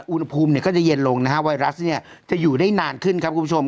อุณหภูมิเนี่ยก็จะเย็นลงนะฮะไวรัสเนี่ยจะอยู่ได้นานขึ้นครับคุณผู้ชม